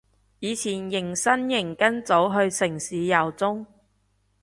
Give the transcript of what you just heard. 以前迎新營跟組去城市遊蹤